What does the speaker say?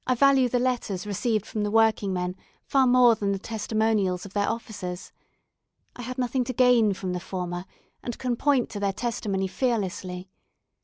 I value the letters received from the working men far more than the testimonials of their officers. I had nothing to gain from the former, and can point to their testimony fearlessly.